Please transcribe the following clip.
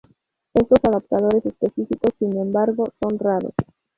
Estos adaptadores específicos, sin embargo, son raros.